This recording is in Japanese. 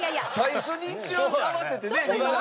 最初に一応合わせてねみんな。